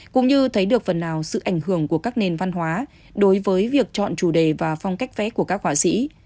cũng như thấy được phần nào sự ảnh hưởng của các nền văn hóa đối với việc chọn chủ đề và phong cách vẽ của các họa sĩ